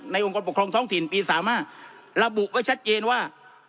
องค์กรปกครองท้องถิ่นปี๓๕ระบุไว้ชัดเจนว่า